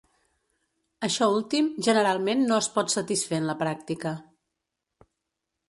Això últim generalment no es pot satisfer en la pràctica.